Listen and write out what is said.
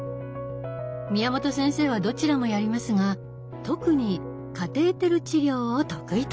宮本先生はどちらもやりますが特にカテーテル治療を得意としています。